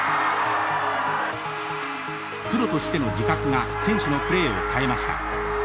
プロとしての自覚が選手のプレーを変えました。